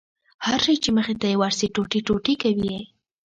هر شى چې مخې ته يې ورسي ټوټې ټوټې کوي يې.